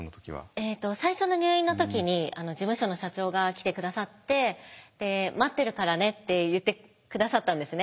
えっと最初の入院の時に事務所の社長が来て下さってって言って下さったんですね。